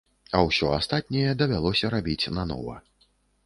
А ўсё астатняе давялося рабіць нанова.